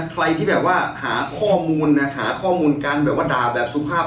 ใครที่แบบว่าหาข้อมูลนะหาข้อมูลการแบบว่าด่าแบบสุภาพ